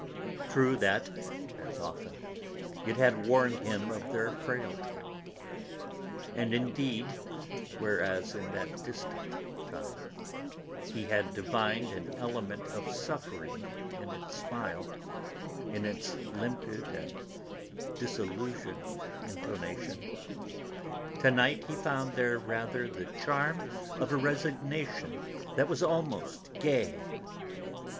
True that, as often, it had warned him of their frailty. And indeed, whereas, in that distant time, he had divined an element of suffering in its smile, in its limpid and disillusioned intonation, to night he found there rather the charm of a resignation that was almost gay.